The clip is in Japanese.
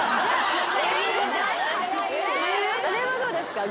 あれはどうですか？